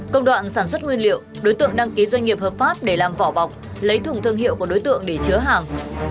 công đoạn sản xuất nguyên liệu đối tượng đăng ký doanh nghiệp hợp pháp để làm vỏ bọc lấy thùng thương hiệu của đối tượng để chứa hàng